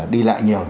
đi lại nhiều